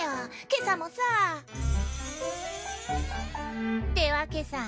今朝もさ。ってわけさ。